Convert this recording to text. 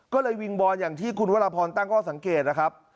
ก็เลยวิงวอนอย่างที่คุณวรพรตั้งข้อสังเกตนะครับ